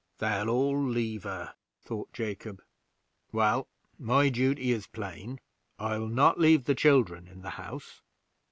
"They'll all leave her," thought Jacob; "well, my duty is plain; I'll not leave the children in the house."